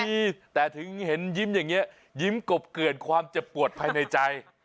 มีแต่ถึงเห็นยิ้มอย่างนี้ยิ้มกบเกลื่อนความเจ็บปวดภายในใจ